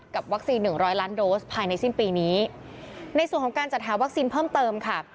วัคซีนหนึ่งร้อยล้านโดสภายในสิ้นปีนี้ในส่วนของการจัดหาวัคซีนเพิ่มเติมค่ะ